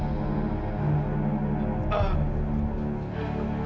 kalau boleh saya tahu pak